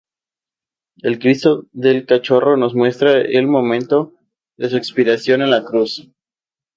El Cristo del Cachorro nos muestra el momento de su expiración en la Cruz.